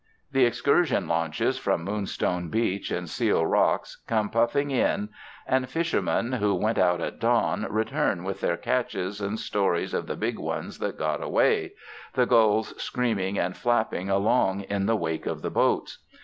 The excursion launches from Moonstone Beach and Seal Rocks come puffing in, and the fish ermen who went out at dawn return with their catches and stories of the big ones that got away — the gulls screaming and flapping along in the wake of the boats.